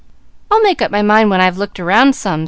"I'll make up my mind when I have looked around some."